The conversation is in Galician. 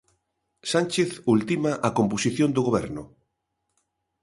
Sánchez ultima a composición do Goberno.